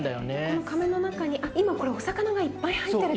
かめの中に今これお魚がいっぱい入ってるってこと？